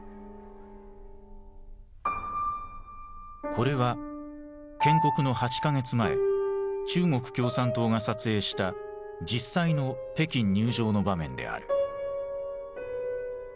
これは建国の８か月前中国共産党が撮影した実際の北京入城の場面である。